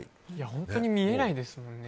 本当に見えないですよね。